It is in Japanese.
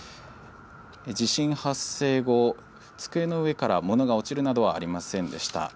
地震発生後、机の上からものが落ちるなどはありませんでした。